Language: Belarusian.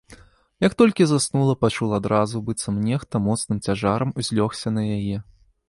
Як толькі заснула, пачула адразу, быццам нехта моцным цяжарам узлёгся на яе.